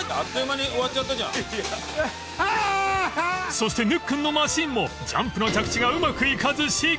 ［そしてぬっくんのマシンもジャンプの着地がうまくいかず］